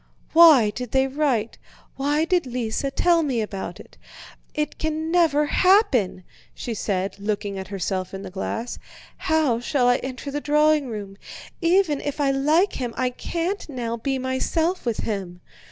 "Why did they write, why did Lise tell me about it? It can never happen!" she said, looking at herself in the glass. "How shall I enter the drawing room? Even if I like him I can't now be myself with him."